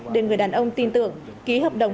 để người đàn ông tin tưởng ký hợp đồng